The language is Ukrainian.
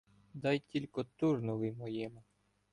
Дай тілько Турнові моєму